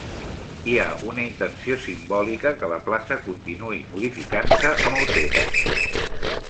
Hi ha una intenció simbòlica que la plaça continuï modificant-se amb el temps.